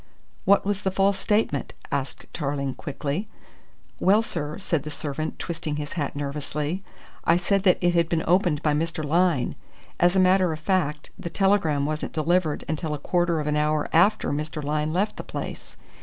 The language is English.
"What was the false statement?" asked Tarling quickly. "Well, sir," said the servant, twisting his hat nervously, "I said that it had been opened by Mr. Lyne. As a matter of fact, the telegram wasn't delivered until a quarter of an hour after Mr. Lyne left the place.